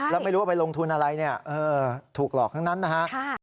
แล้วไม่รู้ว่าไปลงทุนอะไรเนี่ยถูกหลอกทั้งนั้นนะฮะ